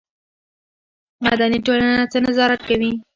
مدني ټولنه څه نظارت کوي؟